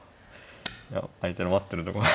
いや相手の待ってるとこが。